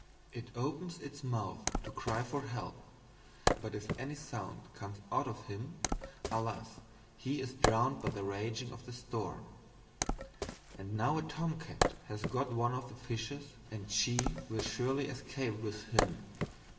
It opens its Mouth to cry for Help; but if any Sound comes out of him, alas he is drowned by the raging of the Storm. And now a Tomcat has got one of the Fishes and she will surely escape with him.